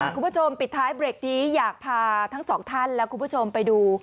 คุณผู้ชมปิดท้ายเบรกนี้อยากพาทั้งสองท่านและคุณผู้ชมไปดู